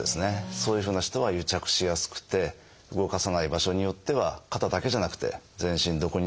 そういうふうな人は癒着しやすくて動かさない場所によっては肩だけじゃなくて全身どこにでも起こることはあります。